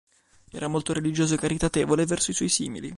Era molto religioso e caritatevole verso i suoi simili.